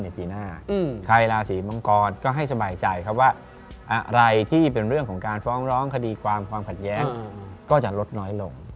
เพราะว่าอะไรที่เป็นเรื่องของการฟ้องร้องคดีความความผลัดแย้งก็จะลดน้อยลง